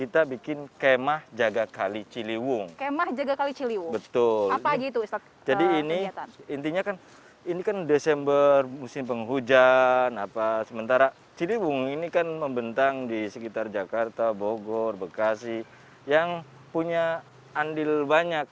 tau tau dia ke masjid ikut sholat tuh